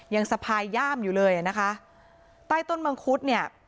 ยังสะพายย่ามอยู่เลยอ่ะนะคะใต้ต้นมังคุดเนี่ย